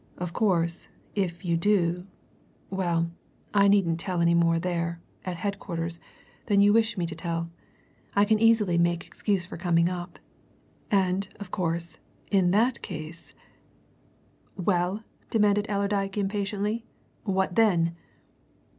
Of course, if you do well, I needn't tell any more there at headquarters than you wish me to tell. I can easy make excuse for coming up. And, of course, in that case " "Well!" demanded Allerdyke impatiently. "What then?"